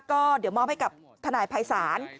ก็เดี๋ยวมอบให้กับทนายภัยศาล